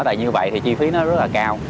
tại như vậy thì chi phí nó rất là cao